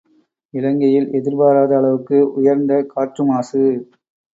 இலங்கையில் எதிர்பாராத அளவுக்கு உயர்ந்த காற்று மாசு